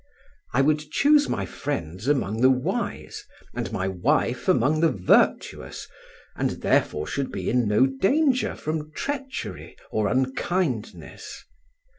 I would choose my friends among the wise and my wife among the virtuous, and therefore should be in no danger from treachery or unkindness.